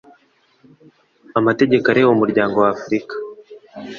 amategeko areba umuryango wa afurika